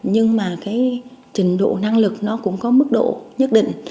nhưng mà cái trình độ năng lực nó cũng có mức độ nhất định